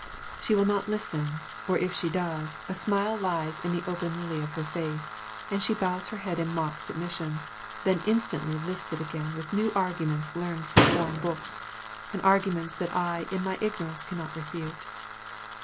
She will not listen; or, if she does, a smile lies in the open lily of her face, and she bows her head in mock submission; then instantly lifts it again with new arguments learned from foreign books, and arguments that I in my ignorance cannot refute.